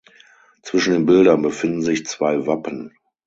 Zwischen den Bildern befinden sich zwei Wappen.